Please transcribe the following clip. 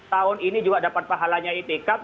tahun ini juga dapat pahalanya itikaf